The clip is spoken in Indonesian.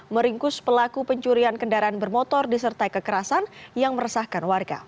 meringkus pelaku pencurian kendaraan bermotor disertai kekerasan yang meresahkan warga